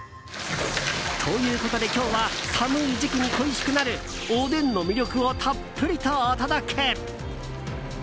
ということで、今日は寒い時期に恋しくなるおでんの魅力をたっぷりとお届け。